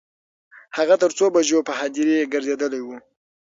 هغه تر څو بجو په هدیرې ګرځیدلی و.